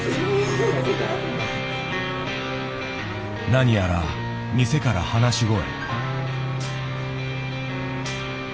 何やら店から話し声。